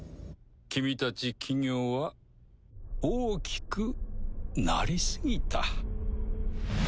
君たち企業は大きくなり過ぎた。